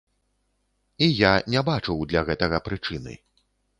Я і не бачыў для гэтага прычыны.